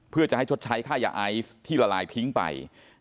เพื่อจะให้ชดใช้ค่ายาไอซ์ที่ละลายทิ้งไป